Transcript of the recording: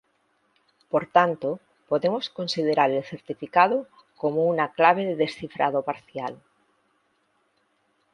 Por tanto podemos considerar el certificado como una clave de descifrado parcial.